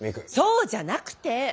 そうじゃなくて！